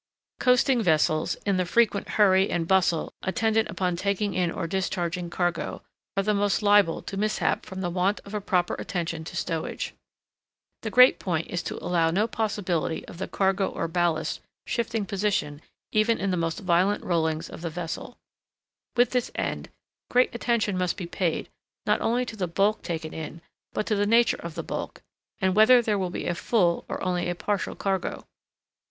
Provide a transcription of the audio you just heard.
Coasting vessels, in the frequent hurry and bustle attendant upon taking in or discharging cargo, are the most liable to mishap from the want of a proper attention to stowage. The great point is to allow no possibility of the cargo or ballast shifting position even in the most violent rollings of the vessel. With this end, great attention must be paid, not only to the bulk taken in, but to the nature of the bulk, and whether there be a full or only a partial cargo.